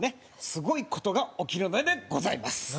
すごい事が起きるのでございます。